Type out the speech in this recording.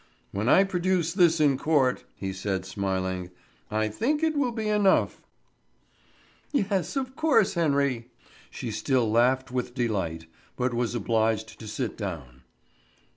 "When I produce this in court," he said, smiling, "I think it will be enough." "Yes, of course, Henry." She still laughed with delight, but was obliged to sit down.